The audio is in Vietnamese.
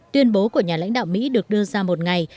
tuyên bố của nhà lãnh đạo mỹ được đưa ra một ngày